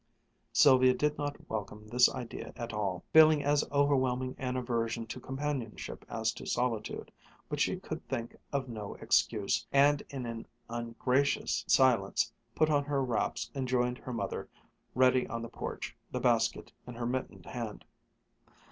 Sylvia did not welcome this idea at all, feeling as overwhelming an aversion to companionship as to solitude, but she could think of no excuse, and in an ungracious silence put on her wraps and joined her mother, ready on the porch, the basket in her mittened hand.